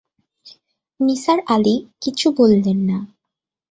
নিসার আলি কিছু বললেন না।